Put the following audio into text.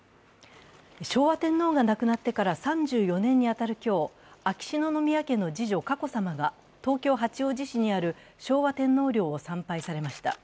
昭和天皇が亡くなってから３４年に当たる今日、秋篠宮家の次女・佳子さまが東京・八王子市にある昭和天皇陵を参拝されました。